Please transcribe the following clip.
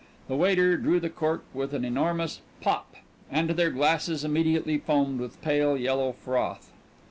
The waiter drew the cork with an enormous pop and their glasses immediately foamed with pale yellow froth.